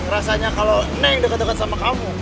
rasanya kalau neng deket deket sama kamu